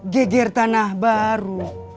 geger tanah baru